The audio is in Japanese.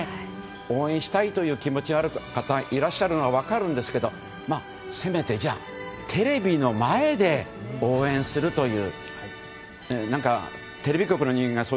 応援したいという気持ちがある方がいらっしゃるのは分かるんですけどせめて、テレビの前で応援するという。